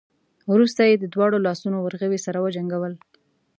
وروسته يې د دواړو لاسونو ورغوي سره وجنګول.